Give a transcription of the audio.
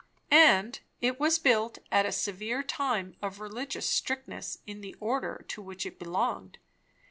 "And it was built at a severe time of religious strictness in the order to which it belonged.